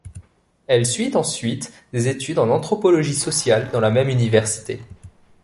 Elle suit ensuite des études en anthropologie sociale dans la même université.